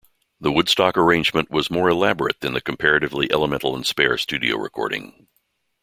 The Woodstock arrangement was more elaborate than the comparatively elemental and spare studio recording.